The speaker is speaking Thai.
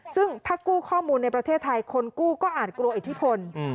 ซึ่งถ้ากู้ข้อมูลในประเทศไทยคนกู้ก็อาจกลัวอิทธิพล